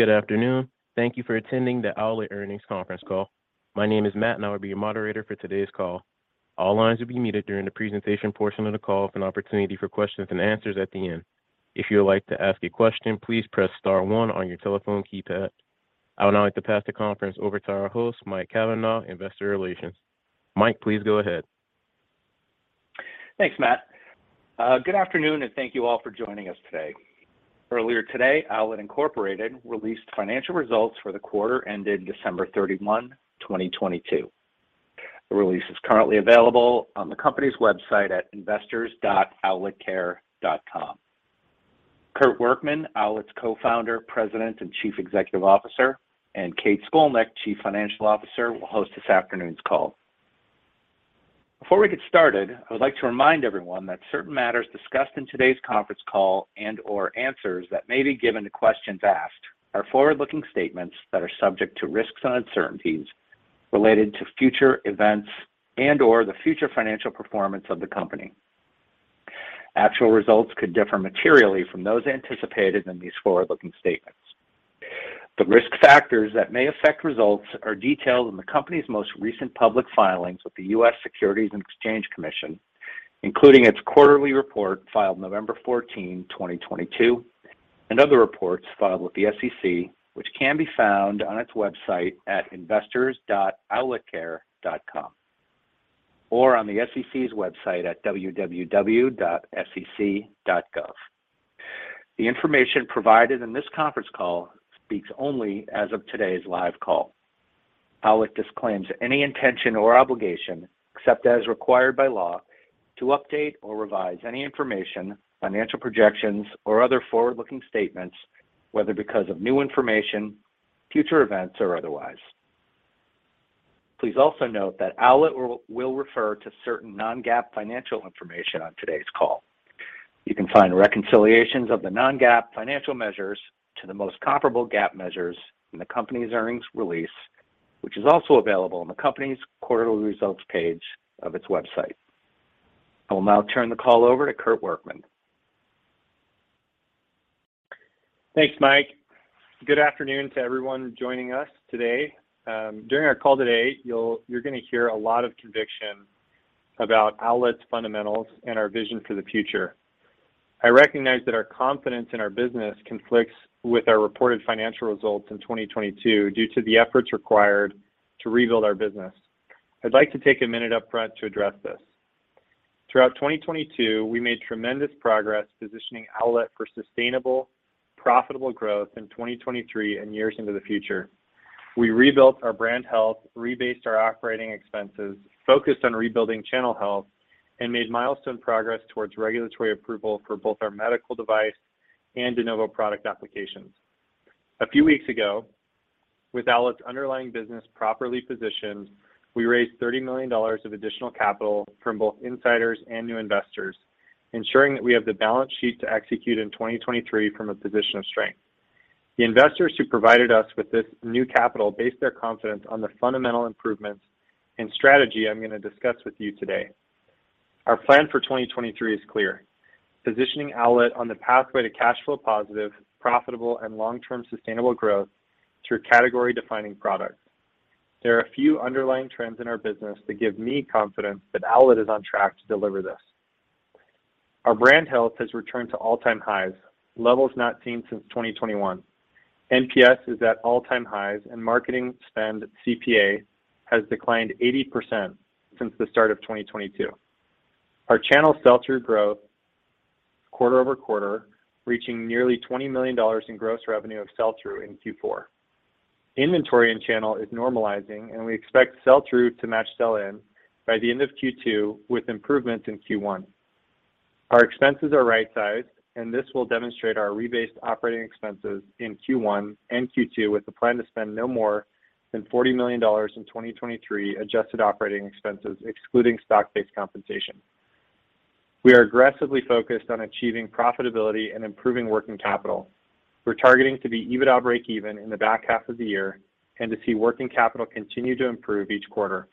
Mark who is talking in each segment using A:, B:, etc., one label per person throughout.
A: Good afternoon. Thank you for attending the Owlet Earnings Conference Call. My name is Matt, and I will be your moderator for today's call. All lines will be muted during the presentation portion of the call with an opportunity for questions and answers at the end. If you would like to ask a question, please press star one on your telephone keypad. I would now like to pass the conference over to our host, Mike Cavanaugh, Investor Relations. Mike, please go ahead.
B: Thanks, Matt. Good afternoon, thank you all for joining us today. Earlier today, Owlet, Inc. released financial results for the quarter ended December 31, 2022. The release is currently available on the company's website at investors.owletcare.com. Kurt Workman, Owlet's Co-Founder, President, and Chief Executive Officer, and Kate Scolnick, Chief Financial Officer, will host this afternoon's call. Before we get started, I would like to remind everyone that certain matters discussed in today's conference call and/or answers that may be given to questions asked are forward-looking statements that are subject to risks and uncertainties related to future events and/or the future financial performance of the company. Actual results could differ materially from those anticipated in these forward-looking statements. The risk factors that may affect results are detailed in the company's most recent public filings with the U.S. Securities and Exchange Commission, including its quarterly report filed November 14, 2022, and other reports filed with the SEC, which can be found on its website at investors.owletcare.com or on the SEC's website at www.sec.gov. The information provided in this conference call speaks only as of today's live call. Owlet disclaims any intention or obligation, except as required by law, to update or revise any information, financial projections or other forward-looking statements, whether because of new information, future events or otherwise. Please also note that Owlet will refer to certain non-GAAP financial information on today's call. You can find reconciliations of the non-GAAP financial measures to the most comparable GAAP measures in the company's earnings release, which is also available on the company's quarterly results page of its website. I will now turn the call over to Kurt Workman.
C: Thanks, Mike. Good afternoon to everyone joining us today. During our call today, you're gonna hear a lot of conviction about Owlet's fundamentals and our vision for the future. I recognize that our confidence in our business conflicts with our reported financial results in 2022 due to the efforts required to rebuild our business. I'd like to take a minute up front to address this. Throughout 2022, we made tremendous progress positioning Owlet for sustainable, profitable growth in 2023 and years into the future. We rebuilt our brand health, rebased our operating expenses, focused on rebuilding channel health, and made milestone progress towards regulatory approval for both our medical device and De Novo product applications. A few weeks ago, with Owlet's underlying business properly positioned, we raised $30 million of additional capital from both insiders and new investors, ensuring that we have the balance sheet to execute in 2023 from a position of strength. The investors who provided us with this new capital based their confidence on the fundamental improvements and strategy I'm gonna discuss with you today. Our plan for 2023 is clear: positioning Owlet on the pathway to cash flow positive, profitable, and long-term sustainable growth through category-defining products. There are a few underlying trends in our business that give me confidence that Owlet is on track to deliver this. Our brand health has returned to all-time highs, levels not seen since 2021. NPS is at all-time highs and marketing spend CPA has declined 80% since the start of 2022. Our channel sell-through growth quarter-over-quarter, reaching nearly $20 million in gross revenue of sell-through in Q4. Inventory and channel is normalizing, and we expect sell-through to match sell-in by the end of Q2 with improvements in Q1. Our expenses are right-sized, and this will demonstrate our rebased operating expenses in Q1 and Q2 with a plan to spend no more than $40 million in 2023 adjusted operating expenses, excluding stock-based compensation. We are aggressively focused on achieving profitability and improving working capital. We're targeting to be EBITDA breakeven in the back half of the year and to see working capital continue to improve each quarter.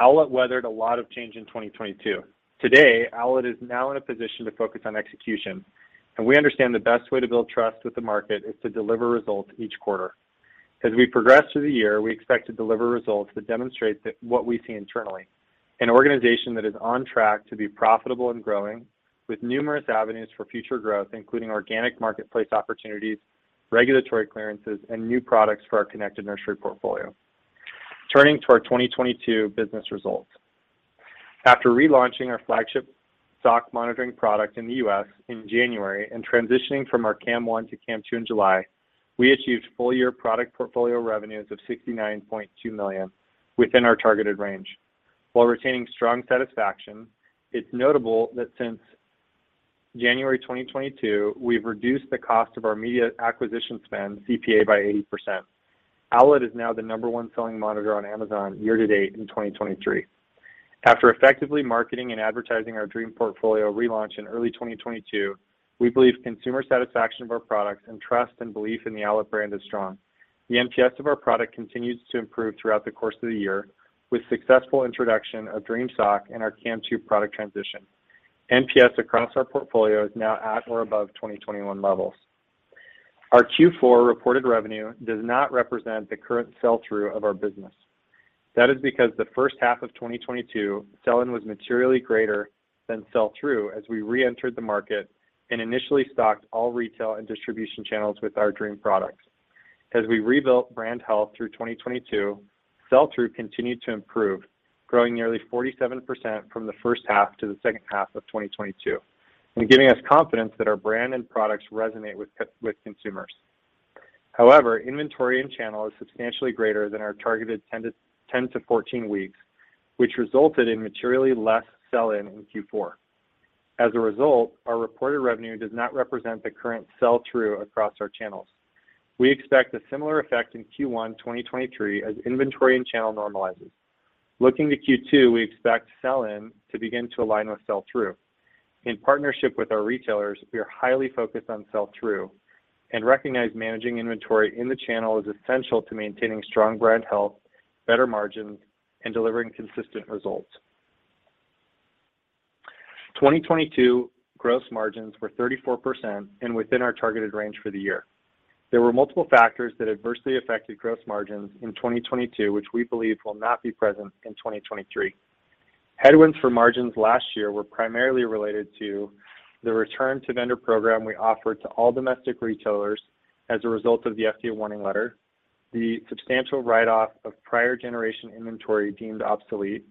C: Owlet weathered a lot of change in 2022. Today, Owlet is now in a position to focus on execution, and we understand the best way to build trust with the market is to deliver results each quarter. As we progress through the year, we expect to deliver results that demonstrate what we see internally, an organization that is on track to be profitable and growing with numerous avenues for future growth, including organic marketplace opportunities, regulatory clearances, and new products for our connected nursery portfolio. Turning to our 2022 business results. After relaunching our flagship stock monitoring product in the U.S. in January and transitioning from our Cam 1-Cam 2 in July, we achieved full-year product portfolio revenues of $69.2 million within our targeted range while retaining strong satisfaction. It's notable that since January 2022, we've reduced the cost of our media acquisition spend CPA by 80%. Owlet is now the number one selling monitor on Amazon year to date in 2023. After effectively marketing and advertising our Dream portfolio relaunch in early 2022, we believe consumer satisfaction of our products and trust and belief in the Owlet brand is strong. The NPS of our product continues to improve throughout the course of the year with successful introduction of Dream Sock and our Cam 2 product transition. NPS across our portfolio is now at or above 2021 levels. Our Q4 reported revenue does not represent the current sell-through of our business. That is because the first half of 2022, sell-in was materially greater than sell-through as we reentered the market and initially stocked all retail and distribution channels with our Dream products. As we rebuilt brand health through 2022, sell-through continued to improve, growing nearly 47% from the first half to the second half of 2022, and giving us confidence that our brand and products resonate with consumers. However, inventory and channel is substantially greater than our targeted 10-14 weeks, which resulted in materially less sell-in in Q4. As a result, our reported revenue does not represent the current sell-through across our channels. We expect a similar effect in Q1 2023 as inventory and channel normalizes. Looking to Q2, we expect sell-in to begin to align with sell-through. In partnership with our retailers, we are highly focused on sell-through and recognize managing inventory in the channel is essential to maintaining strong brand health, better margins, and delivering consistent results. 2022 gross margins were 34% and within our targeted range for the year. There were multiple factors that adversely affected gross margins in 2022, which we believe will not be present in 2023. Headwinds for margins last year were primarily related to the return to vendor program we offered to all domestic retailers as a result of the FDA warning letter, the substantial write-off of prior generation inventory deemed obsolete,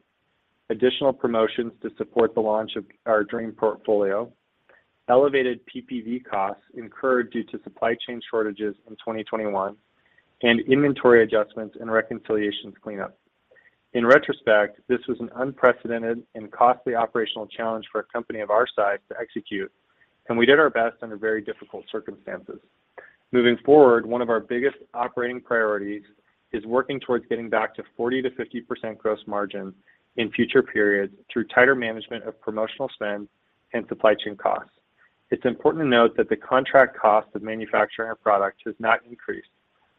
C: additional promotions to support the launch of our Dream portfolio, elevated PPV costs incurred due to supply chain shortages in 2021, and inventory adjustments and reconciliations cleanup. In retrospect, this was an unprecedented and costly operational challenge for a company of our size to execute, and we did our best under very difficult circumstances. Moving forward, one of our biggest operating priorities is working towards getting back to 40%-50% gross margin in future periods through tighter management of promotional spend and supply chain costs. It's important to note that the contract cost of manufacturing our product has not increased,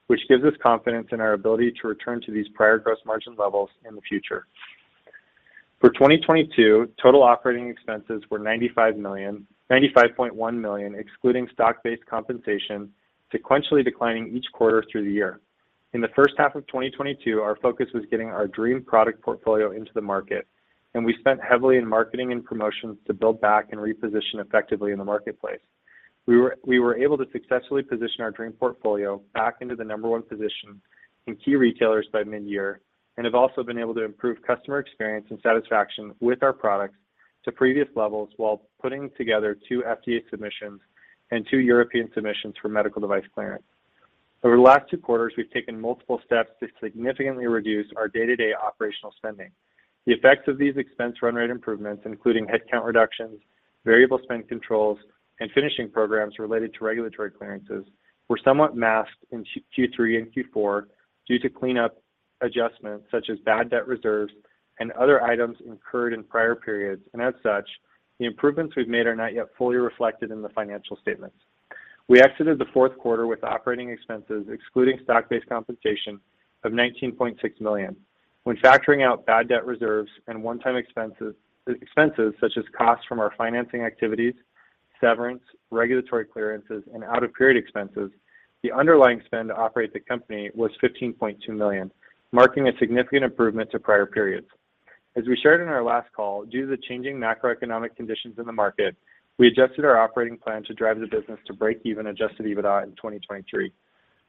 C: which gives us confidence in our ability to return to these prior gross margin levels in the future. For 2022, total operating expenses were $95.1 million, excluding stock-based compensation, sequentially declining each quarter through the year. In the first half of 2022, our focus was getting our dream product portfolio into the market. We spent heavily in marketing and promotions to build back and reposition effectively in the marketplace. We were able to successfully position our dream portfolio back into the number one position in key retailers by mid-year and have also been able to improve customer experience and satisfaction with our products to previous levels while putting together two FDA submissions and two European submissions for medical device clearance. Over the last two quarters, we've taken multiple steps to significantly reduce our day-to-day operational spending. The effects of these expense run rate improvements, including headcount reductions, variable spend controls, and finishing programs related to regulatory clearances, were somewhat masked in Q3 and Q4 due to cleanup adjustments such as bad debt reserves and other items incurred in prior periods. As such, the improvements we've made are not yet fully reflected in the financial statements. We exited the fourth quarter with operating expenses, excluding stock-based compensation of $19.6 million. When factoring out bad debt reserves and one-time expenses such as costs from our financing activities, severance, regulatory clearances, and out-of-period expenses, the underlying spend to operate the company was $15.2 million, marking a significant improvement to prior periods. As we shared in our last call, due to the changing macroeconomic conditions in the market, we adjusted our operating plan to drive the business to break even Adjusted EBITDA in 2023.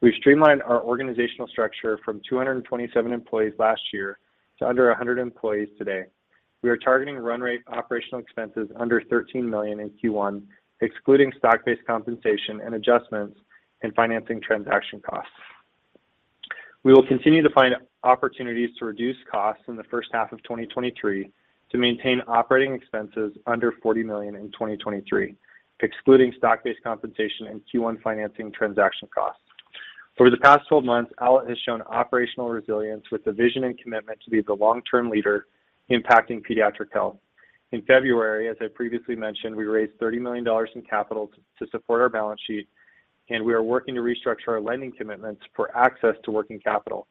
C: We've streamlined our organizational structure from 227 employees last year to under 100 employees today. We are targeting run rate operational expenses under $13 million in Q1, excluding stock-based compensation and adjustments and financing transaction costs. We will continue to find opportunities to reduce costs in the first half of 2023 to maintain operating expenses under $40 million in 2023, excluding stock-based compensation and Q1 financing transaction costs. Over the past 12 months, Owlet has shown operational resilience with the vision and commitment to be the long-term leader impacting pediatric health. In February, as I previously mentioned, we raised $30 million in capital to support our balance sheet, we are working to restructure our lending commitments for access to working capital.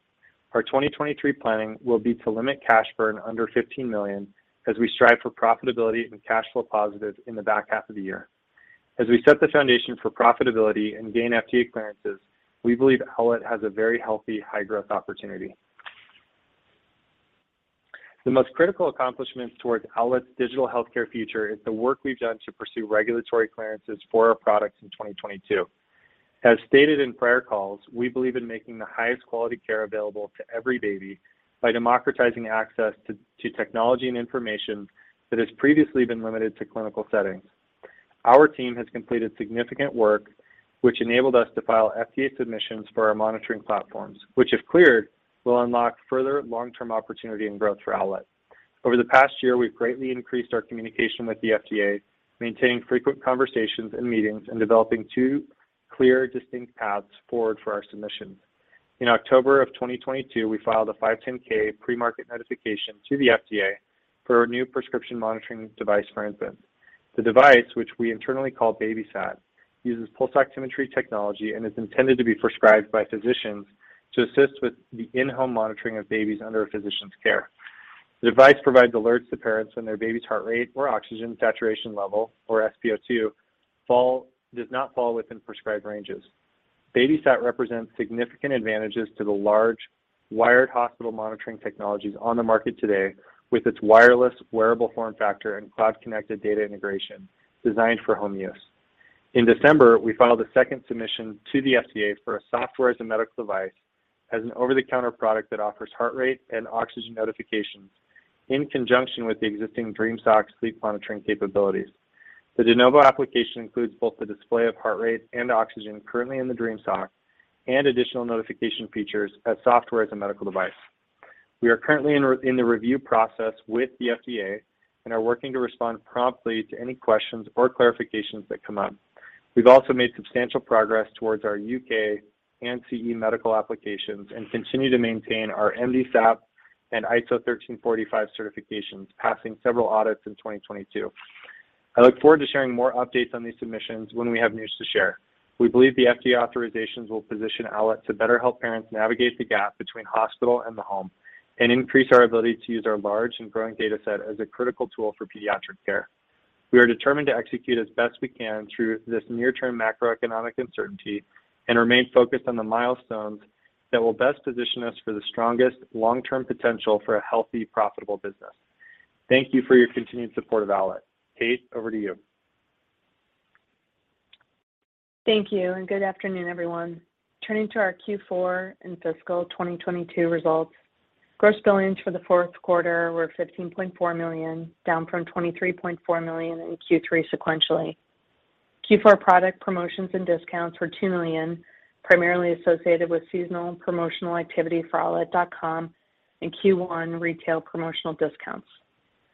C: Our 2023 planning will be to limit cash burn under $15 million as we strive for profitability and cash flow positive in the back half of the year. As we set the foundation for profitability and gain FDA clearances, we believe Owlet has a very healthy high-growth opportunity. The most critical accomplishments towards Owlet's digital healthcare future is the work we've done to pursue regulatory clearances for our products in 2022. As stated in prior calls, we believe in making the highest quality care available to every baby by democratizing access to technology and information that has previously been limited to clinical settings. Our team has completed significant work which enabled us to file FDA submissions for our monitoring platforms, which if cleared, will unlock further long-term opportunity and growth for Owlet. Over the past year, we've greatly increased our communication with the FDA, maintaining frequent conversations and meetings and developing two clear distinct paths forward for our submissions. In October of 2022, we filed a 510(k) pre-market notification to the FDA for a new prescription monitoring device for infants. The device, which we internally call BabySat, uses pulse oximetry technology and is intended to be prescribed by physicians to assist with the in-home monitoring of babies under a physician's care. The device provides alerts to parents when their baby's heart rate or oxygen saturation level or SpO2 fall, does not fall within prescribed ranges. BabySat represents significant advantages to the large wired hospital monitoring technologies on the market today with its wireless wearable form factor and cloud-connected data integration designed for home use. In December, we filed a second submission to the FDA for a Software as a Medical Device as an over-the-counter product that offers heart rate and oxygen notifications in conjunction with the existing Dream Sock sleep monitoring capabilities. The de novo application includes both the display of heart rate and oxygen currently in the Dream Sock and additional notification features as Software as a Medical Device. We are currently in the review process with the FDA and are working to respond promptly to any questions or clarifications that come up. We've also made substantial progress towards our U.K. and CE medical applications and continue to maintain our MDSAP and ISO 13485 certifications, passing several audits in 2022. I look forward to sharing more updates on these submissions when we have news to share. We believe the FDA authorizations will position Owlet to better help parents navigate the gap between hospital and the home and increase our ability to use our large and growing data set as a critical tool for pediatric care. We are determined to execute as best we can through this near-term macroeconomic uncertainty and remain focused on the milestones that will best position us for the strongest long-term potential for a healthy, profitable business. Thank you for your continued support of Owlet. Kate, over to you.
D: Thank you. Good afternoon, everyone. Turning to our Q4 and fiscal 2022 results. Gross billings for the fourth quarter were $15.4 million, down from $23.4 million in Q3 sequentially. Q4 product promotions and discounts were $2 million, primarily associated with seasonal promotional activity for owlet.com and Q1 retail promotional discounts.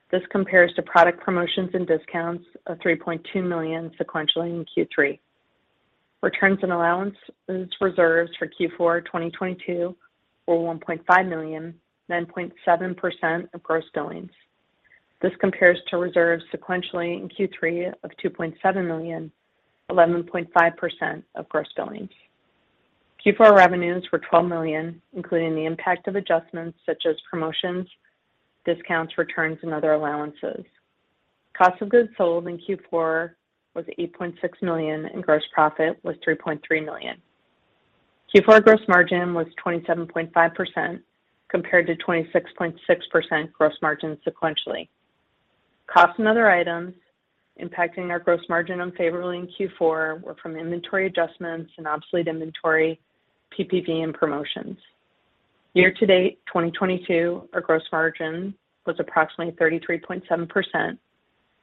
D: This compares to product promotions and discounts of $3.2 million sequentially in Q3. Returns and allowances reserves for Q4 2022 were $1.5 million, 9.7% of gross billings. This compares to reserves sequentially in Q3 of $2.7 million, 11.5% of gross billings. Q4 revenues were $12 million, including the impact of adjustments such as promotions, discounts, returns, and other allowances. Cost of goods sold in Q4 was $8.6 million, and gross profit was $3.3 million. Q4 gross margin was 27.5% compared to 26.6% gross margin sequentially. Costs and other items impacting our gross margin unfavorably in Q4 were from inventory adjustments and obsolete inventory, PPV and promotions. Year to date 2022, our gross margin was approximately 33.7%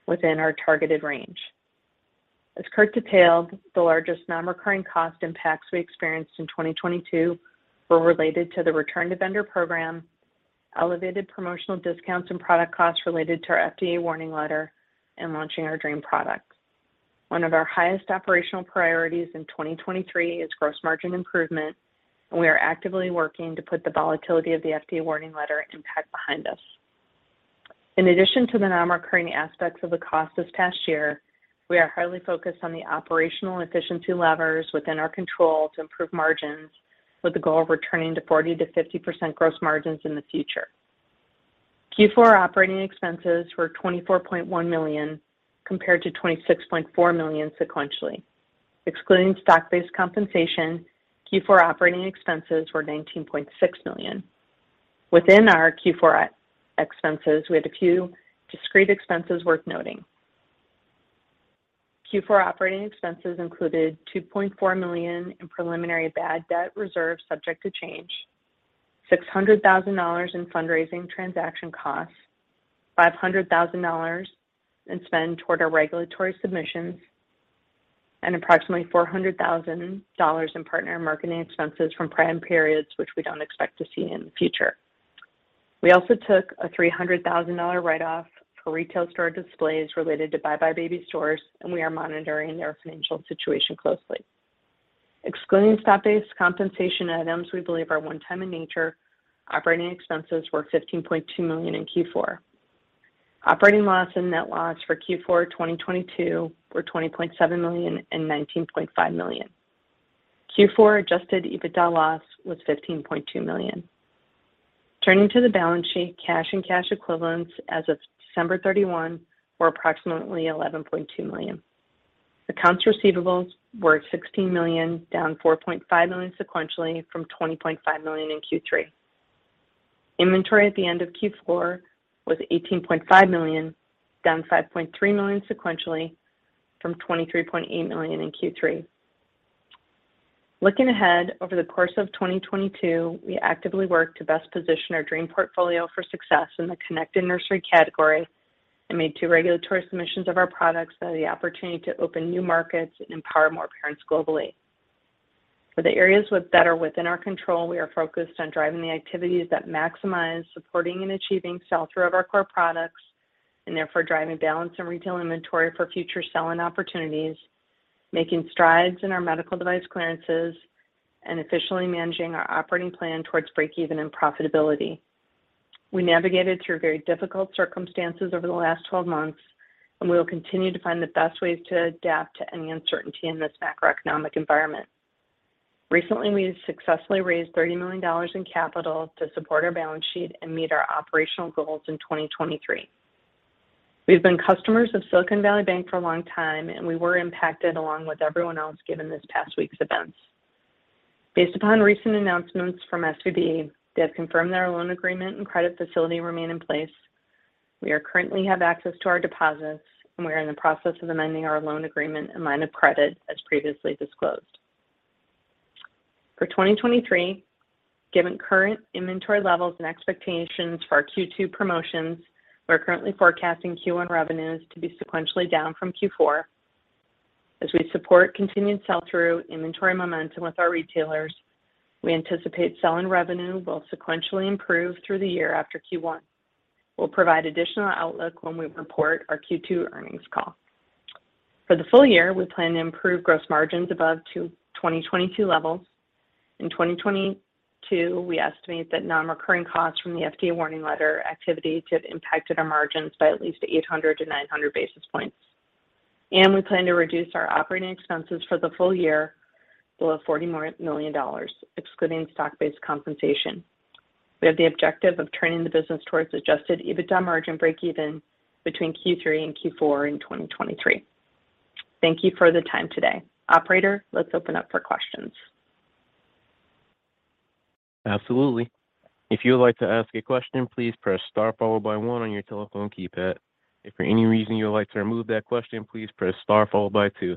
D: within our targeted range. As Kurt detailed, the largest non-recurring cost impacts we experienced in 2022 were related to the return to vendor program, elevated promotional discounts and product costs related to our FDA warning letter, and launching our Dream products. One of our highest operational priorities in 2023 is gross margin improvement, and we are actively working to put the volatility of the FDA warning letter impact behind us. In addition to the non-recurring aspects of the cost this past year, we are highly focused on the operational efficiency levers within our control to improve margins with the goal of returning to 40%-50% gross margins in the future. Q4 operating expenses were $24.1 million, compared to $26.4 million sequentially. Excluding stock-based compensation, Q4 operating expenses were $19.6 million. Within our Q4 ex-expenses, we had a few discrete expenses worth noting. Q4 operating expenses included $2.4 million in preliminary bad debt reserves subject to change, $600,000 in fundraising transaction costs, $500,000 in spend toward our regulatory submissions, and approximately $400,000 in partner marketing expenses from prior periods, which we don't expect to see in the future. We also took a $300,000 write-off for retail store displays related to buybuy BABY stores. We are monitoring their financial situation closely. Excluding stock-based compensation items we believe are one time in nature, operating expenses were $15.2 million in Q4. Operating loss and net loss for Q4 2022 were $20.7 million and $19.5 million. Q4 Adjusted EBITDA loss was $15.2 million. Turning to the balance sheet, cash and cash equivalents as of December 31 were approximately $11.2 million. Accounts receivables were at $16 million, down $4.5 million sequentially from $20.5 million in Q3. Inventory at the end of Q4 was $18.5 million, down $5.3 million sequentially from $23.8 million in Q3. Looking ahead, over the course of 2022, we actively worked to best position our Dream portfolio for success in the connected nursery category and made two regulatory submissions of our products that have the opportunity to open new markets and empower more parents globally. For the areas that are within our control, we are focused on driving the activities that maximize supporting and achieving sell-through of our core products, and therefore driving balance in retail inventory for future selling opportunities, making strides in our medical device clearances, and efficiently managing our operating plan towards breakeven and profitability. We navigated through very difficult circumstances over the last 12 months, and we will continue to find the best ways to adapt to any uncertainty in this macroeconomic environment. Recently, we successfully raised $30 million in capital to support our balance sheet and meet our operational goals in 2023. We've been customers of Silicon Valley Bank for a long time. We were impacted along with everyone else, given this past week's events. Based upon recent announcements from SVB, they have confirmed their loan agreement and credit facility remain in place. We currently have access to our deposits. We are in the process of amending our loan agreement and line of credit, as previously disclosed. For 2023, given current inventory levels and expectations for our Q2 promotions, we are currently forecasting Q1 revenues to be sequentially down from Q4. As we support continued sell-through inventory momentum with our retailers, we anticipate sell-in revenue will sequentially improve through the year after Q1. We'll provide additional outlook when we report our Q2 earnings call. For the full year, we plan to improve gross margins above to 2022 levels. In 2022, we estimate that non-recurring costs from the FDA warning letter activity to have impacted our margins by at least 800-900 basis points. We plan to reduce our operating expenses for the full year below $40 million, excluding stock-based compensation. We have the objective of turning the business towards Adjusted EBITDA margin breakeven between Q3 and Q4 in 2023. Thank you for the time today. Operator, let's open up for questions.
A: Absolutely. If you would like to ask a question, please press star followed by one on your telephone keypad. If for any reason you would like to remove that question, please press star followed by two.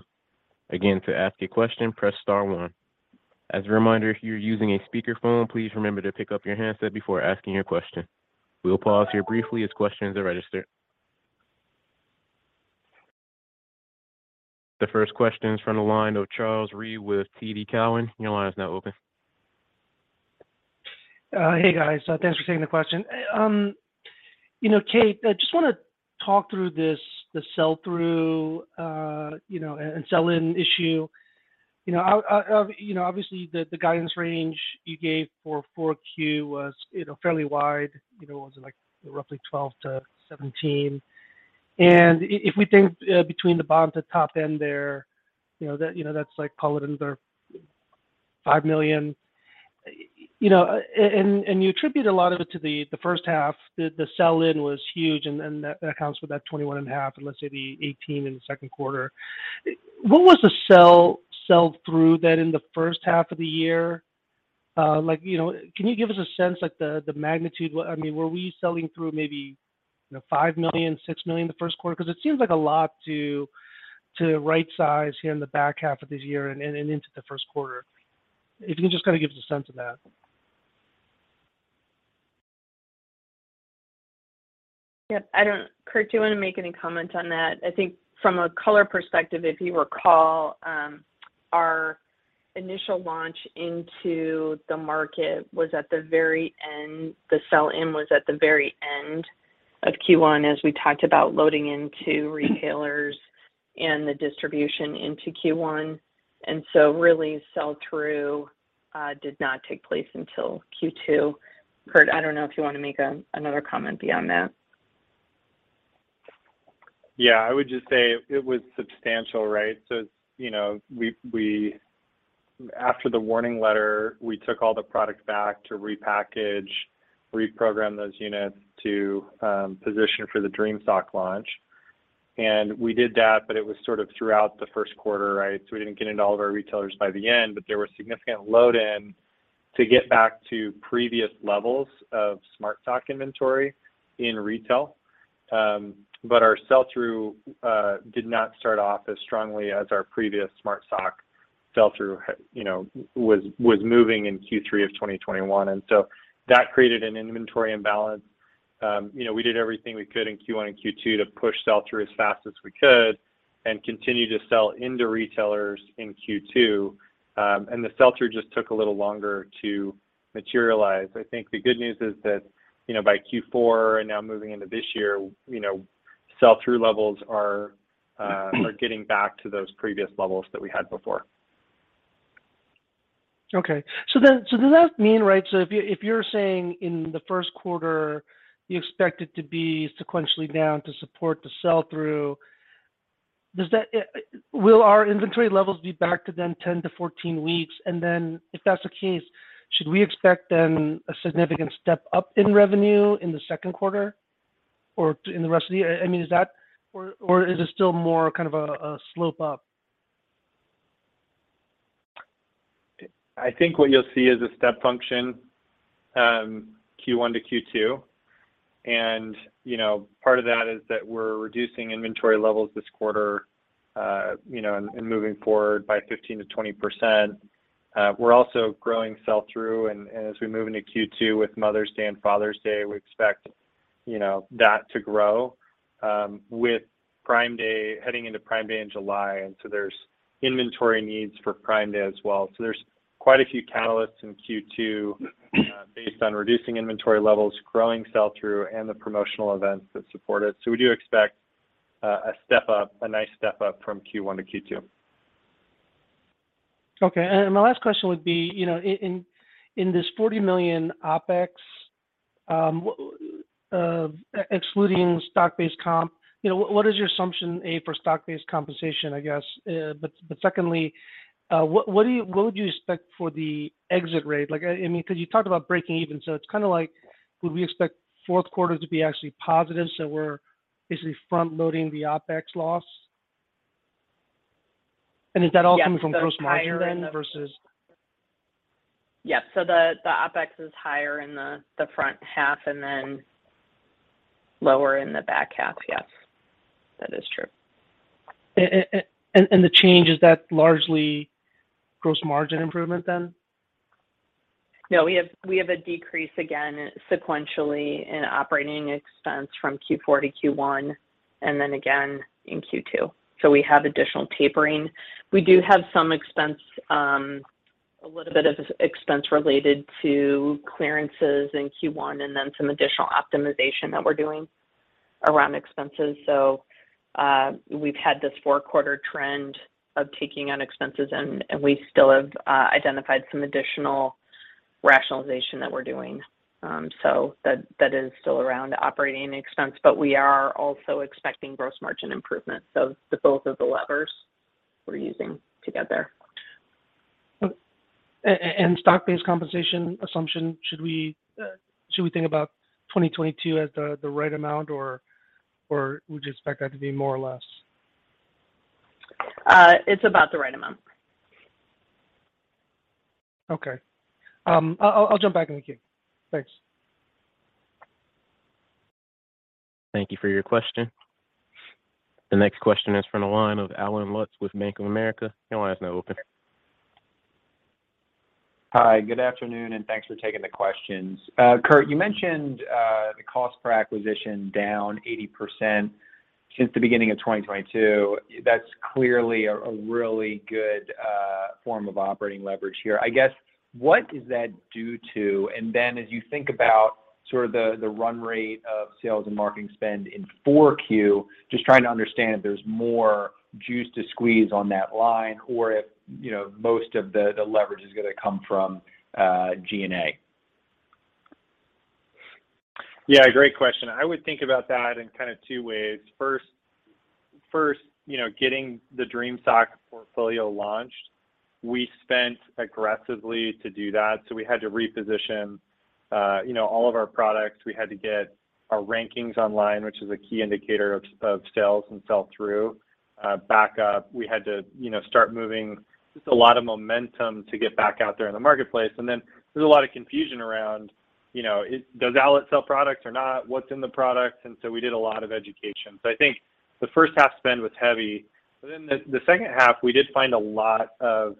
A: Again, to ask a question, press star one. As a reminder, if you're using a speakerphone, please remember to pick up your handset before asking your question. We will pause here briefly as questions are registered. The first question is from the line of Charles Rhyee with TD Cowen. Your line is now open.
E: Hey, guys. Thanks for taking the question. You know, Kate, I just wanna talk through this, the sell-through, you know, and sell-in issue. You know, obviously the guidance range you gave for 4Q was, you know, fairly wide. You know, was it, like, roughly $12 million-$17 million? If we think between the bottom to top end there, you know, that, you know, that's like call it under $5 million. You know, and you attribute a lot of it to the first half. The sell-in was huge and then that accounts for that $21.5 million, and let's say the $18 million in the second quarter. What was the sell-through then in the first half of the year? Like, you know, can you give us a sense, like the magnitude? I mean, were we selling through maybe, you know, $5 million, $6 million the first quarter? 'Cause it seems like a lot to right-size here in the back half of this year and into the first quarter. If you can just kinda give us a sense of that.
D: Yep. I don't. Kurt, do you wanna make any comment on that? I think from a color perspective, if you recall, our initial launch into the market was at the very end. The sell-in was at the very end of Q1, as we talked about loading into retailers and the distribution into Q1. Really, sell-through did not take place until Q2. Kurt, I don't know if you wanna make another comment beyond that.
C: Yeah. I would just say it was substantial, right? You know, we After the warning letter, we took all the products back to repackage, reprogram those units to position for the Dream Sock launch. We did that, but it was sort of throughout the first quarter, right? We didn't get into all of our retailers by the end, but there was significant load in to get back to previous levels of Smart Sock inventory in retail. Our sell-through did not start off as strongly as our previous Smart Sock sell-through You know, was moving in Q3 of 2021. That created an inventory imbalance. You know, we did everything we could in Q1 and Q2 to push sell-through as fast as we could and continue to sell into retailers in Q2. The sell-through just took a little longer to materialize. I think the good news is that, you know, by Q4 and now moving into this year, you know, sell-through levels are getting back to those previous levels that we had before.
E: Does that mean, right, so if you, if you're saying in the first quarter you expect it to be sequentially down to support the sell-through, does that, will our inventory levels be back to then 10-14 weeks? If that's the case, should we expect then a significant step up in revenue in the second quarter or in the rest of the year? I mean, is that or is it still more kind of a slope up?
C: I think what you'll see is a step function, Q1-Q2. You know, part of that is that we're reducing inventory levels this quarter, you know, and moving forward by 15%-20%. We're also growing sell-through and as we move into Q2 with Mother's Day and Father's Day, we expect, you know, that to grow with Prime Day, heading into Prime Day in July. There's inventory needs for Prime Day as well. There's quite a few catalysts in Q2, based on reducing inventory levels, growing sell-through, and the promotional events that support it. We do expect a step up, a nice step up from Q1-Q2.
E: Okay. My last question would be, you know, in this $40 million OpEx, excluding stock-based comp, you know, what is your assumption, A, for stock-based compensation, I guess? Secondly, what would you expect for the exit rate? Like, I mean, 'cause you talked about breaking even, so it's kinda like would we expect fourth quarter to be actually positive, so we're basically front-loading the OpEx loss? Is that all coming from gross margin then versus-
D: Yes, the higher end of... Yep, the OpEx is higher in the front half and then lower in the back half. Yes, that is true.
E: The change, is that largely gross margin improvement then?
D: No, we have a decrease again sequentially in operating expense from Q4-Q1 and then again in Q2. We have additional tapering. We do have some expense, a little bit of expense related to clearances in Q1 and then some additional optimization that we're doing around expenses. We've had this four-quarter trend of taking on expenses and we still have identified some additional rationalization that we're doing. That is still around operating expense, but we are also expecting gross margin improvement. The both of the levers we're using together.
E: Stock-based compensation assumption, should we think about 2022 as the right amount or would you expect that to be more or less?
D: It's about the right amount.
E: I'll jump back in the queue. Thanks.
A: Thank you for your question. The next question is from the line of Allen Lutz with Bank of America. Your line is now open.
F: Hi, good afternoon, and thanks for taking the questions. Kurt, you mentioned the cost per acquisition down 80% since the beginning of 2022. That's clearly a really good form of operating leverage here. I guess, what is that due to? As you think about sort of the run rate of sales and marketing spend in Q4, just trying to understand if there's more juice to squeeze on that line or if, you know, most of the leverage is gonna come from G&A.
C: Yeah, great question. I would think about that in kind of two ways. First, you know, getting the Dream Sock portfolio launched, we spent aggressively to do that. We had to reposition, you know, all of our products. We had to get our rankings online, which is a key indicator of sales and sell-through, back up. We had to, you know, start moving just a lot of momentum to get back out there in the marketplace. There's a lot of confusion around, you know, does Owlet sell products or not? What's in the products? We did a lot of education. I think the first half spend was heavy, but then the second half, we did find a lot of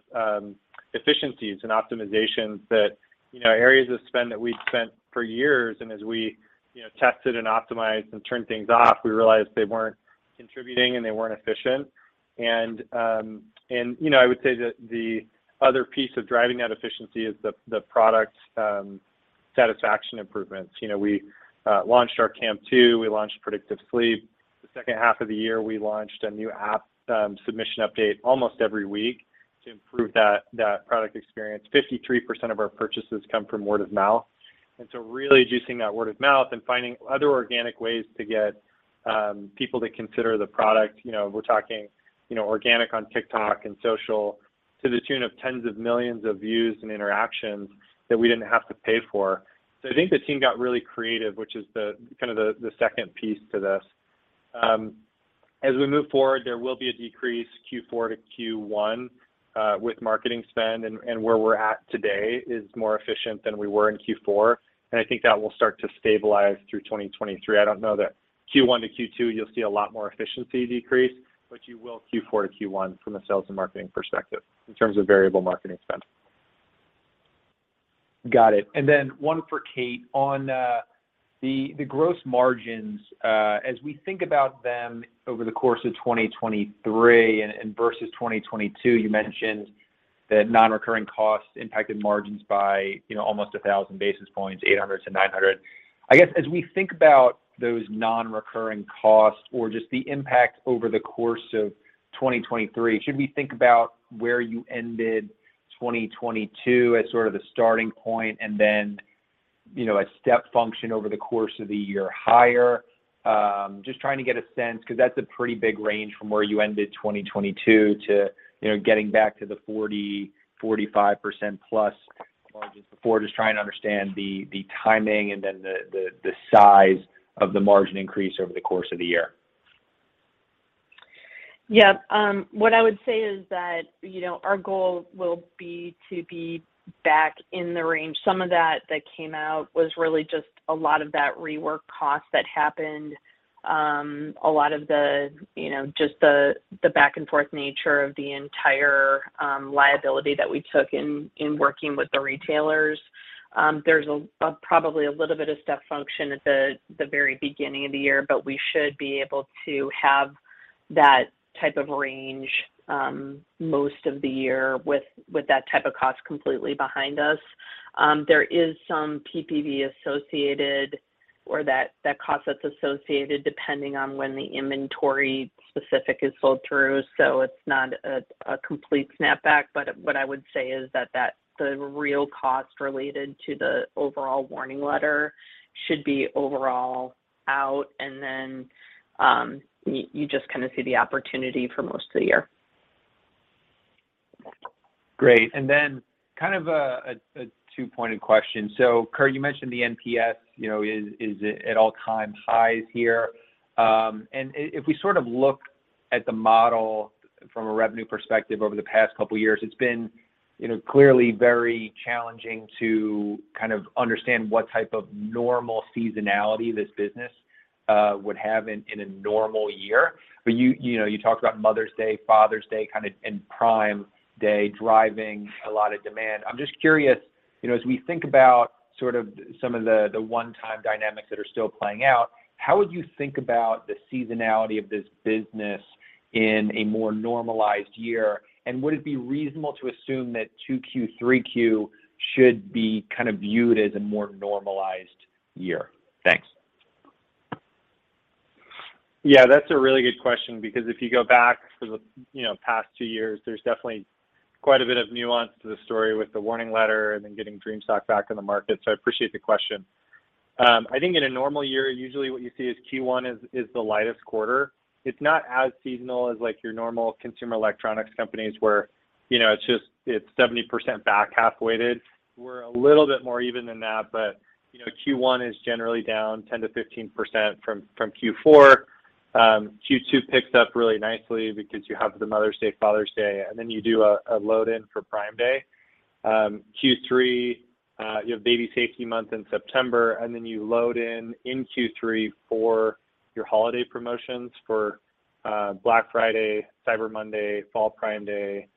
C: efficiencies and optimizations that, you know, areas of spend that we'd spent for years, and as we, you know, tested and optimized and turned things off, we realized they weren't contributing and they weren't efficient. I would say the other piece of driving that efficiency is the product satisfaction improvements. You know, we launched our Cam 2, we launched Predictive Sleep. The second half of the year, we launched a new app submission update almost every week to improve that product experience. 53% of our purchases come from word of mouth, really juicing that word of mouth and finding other organic ways to get people to consider the product. You know, we're talking, you know, organic on TikTok and social to the tune of tens of millions of views and interactions that we didn't have to pay for. I think the team got really creative, which is the, kind of the second piece to this. As we move forward, there will be a decrease Q4-Q1, with marketing spend, and where we're at today is more efficient than we were in Q4. I think that will start to stabilize through 2023. I don't know that Q1-Q2 you'll see a lot more efficiency decrease, but you will Q4-Q1 from a sales and marketing perspective in terms of variable marketing spend.
F: Got it. Then one for Kate. On the gross margins as we think about them over the course of 2023 and versus 2022, you mentioned that non-recurring costs impacted margins by, you know, almost 1,000 basis points, 800-900. I guess as we think about those non-recurring costs or just the impact over the course of 2023, should we think about where you ended 2022 as sort of the starting point and then, you know, a step function over the course of the year higher? Just trying to get a sense, 'cause that's a pretty big range from where you ended 2022 to, you know, getting back to the 40%-45% plus margins before. Just trying to understand the timing and then the size of the margin increase over the course of the year.
D: What I would say is that, you know, our goal will be to be back in the range. Some of that that came out was really just a lot of that rework cost that happened. A lot of the, you know, just the back and forth nature of the entire liability that we took in working with the retailers. There's a probably a little bit of step function at the very beginning of the year, but we should be able to have that type of range most of the year with that type of cost completely behind us. There is some PPV associated or that cost that's associated depending on when the inventory specific is sold through. It's not a complete snapback. What I would say is that the real cost related to the overall warning letter should be overall out, and then, you just kind of see the opportunity for most of the year.
F: Then kind of a two-pointed question. Kurt, you mentioned the NPS, you know, is at all-time highs here. If we sort of look at the model from a revenue perspective over the past couple years, it's been, you know, clearly very challenging to kind of understand what type of normal seasonality this business would have in a normal year. You know, you talked about Mother's Day, Father's Day, kind of, and Prime Day driving a lot of demand. I'm just curious, you know, as we think about sort of some of the one-time dynamics that are still playing out, how would you think about the seasonality of this business in a more normalized year? Would it be reasonable to assume that 2Q, 3Q should be kind of viewed as a more normalized year? Thanks.
C: Yeah, that's a really good question because if you go back for the, you know, past two years, there's definitely quite a bit of nuance to the story with the warning letter and then getting Dream Sock back in the market. I appreciate the question. I think in a normal year, usually what you see is Q1 is the lightest quarter. It's not as seasonal as like your normal consumer electronics companies where, you know, it's just, it's 70% back half weighted. We're a little bit more even than that. You know, Q1 is generally down 10%-15% from Q4. Q2 picks up really nicely because you have the Mother's Day, Father's Day, and then you do a load in for Prime Day. Q3, you have Baby Safety Month in September, you load in in Q3 for your holiday promotions for Black Friday, Cyber Monday, Fall Prime Day,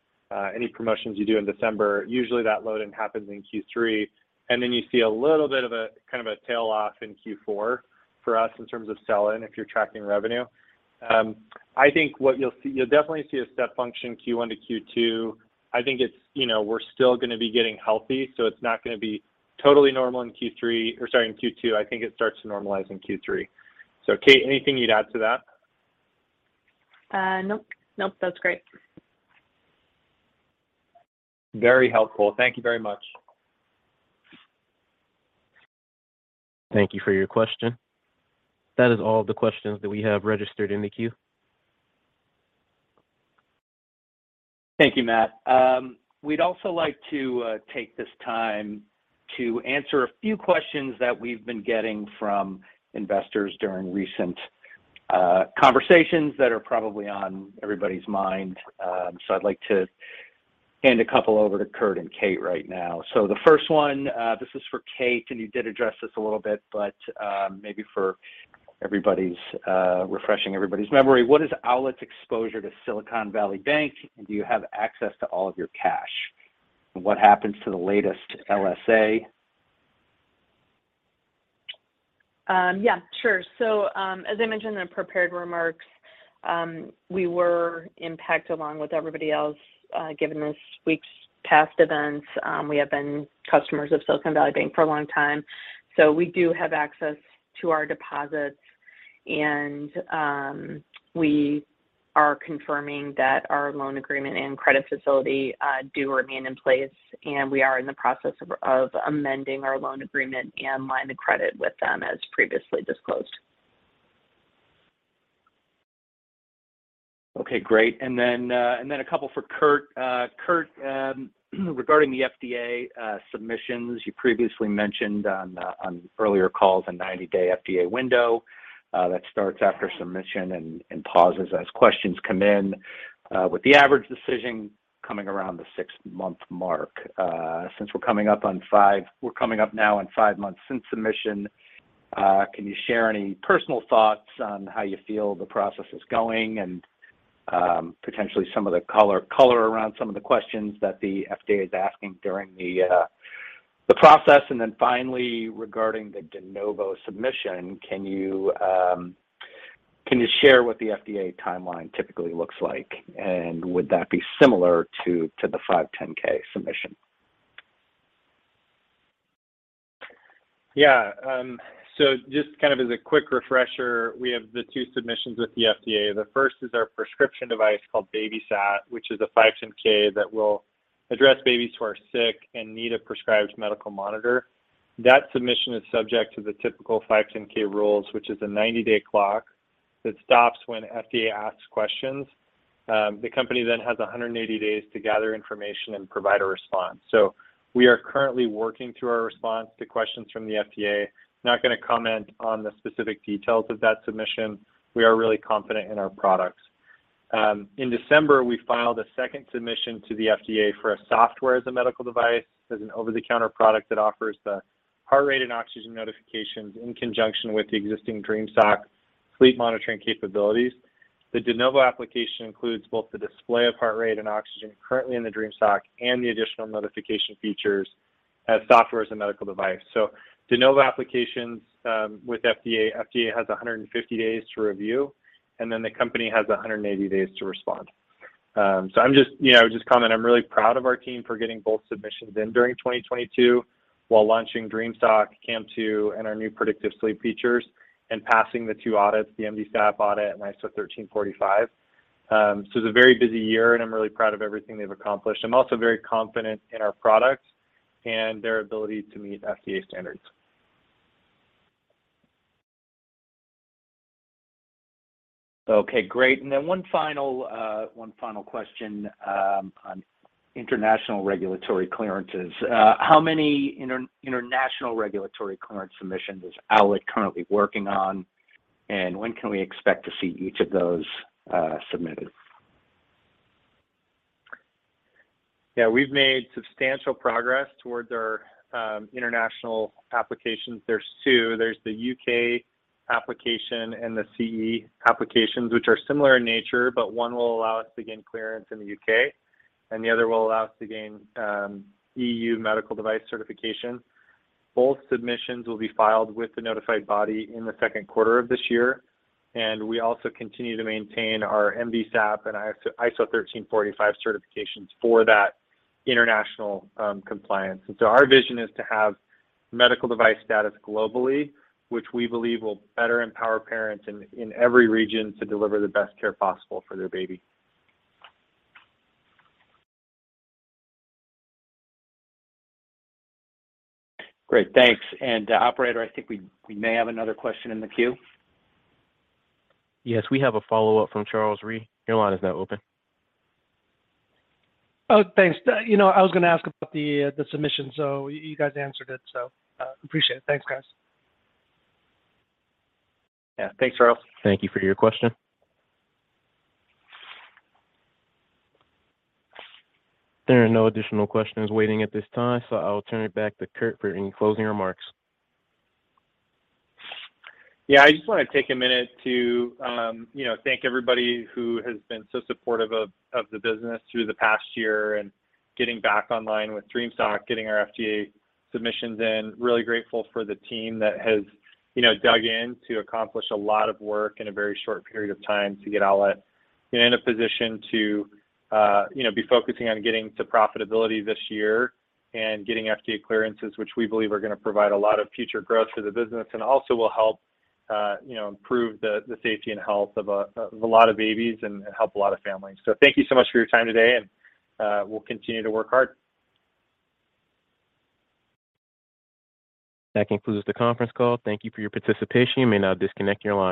C: any promotions you do in December. Usually that load-in happens in Q3. You see a little bit of a, kind of a tail off in Q4 for us in terms of sell-in if you're tracking revenue. You'll definitely see a step function Q1-Q2. I think it's, you know, we're still gonna be getting healthy, so it's not gonna be totally normal in Q3 or sorry, in Q2. I think it starts to normalize in Q3. Kate, anything you'd add to that?
D: Nope. Nope, that's great.
B: Very helpful. Thank you very much.
A: Thank you for your question. That is all the questions that we have registered in the queue.
B: Thank you, Matt. We'd also like to take this time to answer a few questions that we've been getting from investors during recent conversations that are probably on everybody's mind. I'd like to hand a couple over to Kurt and Kate right now. The first one, this is for Kate, and you did address this a little bit, but maybe for everybody's refreshing everybody's memory. What is Owlet's exposure to Silicon Valley Bank, and do you have access to all of your cash? What happens to the latest LSA?
D: As I mentioned in the prepared remarks, we were impacted along with everybody else, given this week's past events. We have been customers of Silicon Valley Bank for a long time. We do have access to our deposits, and we are confirming that our loan agreement and credit facility do remain in place, and we are in the process of amending our loan agreement and line of credit with them as previously disclosed.
B: Okay, great. A couple for Kurt. Kurt, regarding the FDA submissions, you previously mentioned on earlier calls a 90-day FDA window that starts after submission and pauses as questions come in with the average decision coming around the six-month mark. Since we're coming up now on 5 months since submission, can you share any personal thoughts on how you feel the process is going and potentially some of the color around some of the questions that the FDA is asking during the process? Finally, regarding the De Novo submission, can you share what the FDA timeline typically looks like? Would that be similar to the 510(k) submission?
C: Yeah. Just kind of as a quick refresher, we have the two submissions with the FDA. The first is our prescription device called BabySat, which is a 510(k) that will address babies who are sick and need a prescribed medical monitor. That submission is subject to the typical 510(k) rules, which is a 90-day clock that stops when FDA asks questions. The company then has 180 days to gather information and provide a response. We are currently working through our response to questions from the FDA. Not gonna comment on the specific details of that submission. We are really confident in our products. In December, we filed a second submission to the FDA for a Software as a Medical Device as an over-the-counter product that offers the heart rate and oxygen notifications in conjunction with the existing Dream Sock sleep monitoring capabilities. The De Novo application includes both the display of heart rate and oxygen currently in the Dream Sock and the additional notification features as Software as a Medical Device. De Novo applications with FDA has 150 days to review, and then the company has 180 days to respond. I'm just, you know, just comment, I'm really proud of our team for getting both submissions in during 2022 while launching Dream Sock, Cam 2, and our new Predictive Sleep features, and passing the two audits, the MDSAP audit and ISO 13485. It's a very busy year, and I'm really proud of everything they've accomplished. I'm also very confident in our products and their ability to meet FDA standards.
B: Okay, great. One final question, on international regulatory clearances. How many international regulatory clearance submissions is Owlet currently working on, and when can we expect to see each of those, submitted?
C: Yeah. We've made substantial progress towards our international applications. There's two. There's the U.K. application and the CE applications, which are similar in nature, but one will allow us to gain clearance in the U.K., and the other will allow us to gain EU medical device certification. Both submissions will be filed with the notified body in the second quarter of this year. We also continue to maintain our MDSAP and ISO 13485 certifications for that international compliance. Our vision is to have medical device status globally, which we believe will better empower parents in every region to deliver the best care possible for their baby.
B: Great. Thanks. operator, I think we may have another question in the queue.
A: Yes. We have a follow-up from Charles Rhyee. Your line is now open.
E: Thanks. You know, I was gonna ask about the submission. You guys answered it. Appreciate it. Thanks, guys.
B: Yeah. Thanks, Charles.
A: Thank you for your question. There are no additional questions waiting at this time. I will turn it back to Kurt for any closing remarks.
C: Yeah. I just wanna take a minute to, you know, thank everybody who has been so supportive of the business through the past year and getting back online with Dream Sock, getting our FDA submissions in. Really grateful for the team that has, you know, dug in to accomplish a lot of work in a very short period of time to get Owlet in a position to, you know, be focusing on getting to profitability this year and getting FDA clearances, which we believe are gonna provide a lot of future growth for the business and also will help, you know, improve the safety and health of a lot of babies and help a lot of families. Thank you so much for your time today, and we'll continue to work hard.
A: That concludes the conference call. Thank you for your participation. You may now disconnect your line.